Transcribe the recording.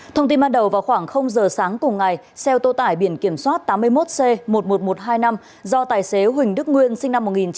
thông tin ban đầu vào khoảng giờ sáng cùng ngày xe ô tô tải biển kiểm soát tám mươi một c một mươi một nghìn một trăm hai mươi năm do tài xế huỳnh đức nguyên sinh năm một nghìn chín trăm tám mươi